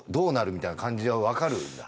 みたいな感じは分かるんだ？